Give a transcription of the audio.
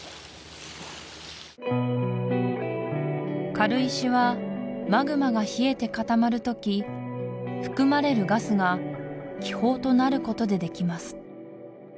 軽石はマグマが冷えて固まる時含まれるガスが気泡となることでできます